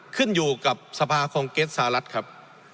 ขึ้นอยู่กับสภาคองเกสสหรัฐครับ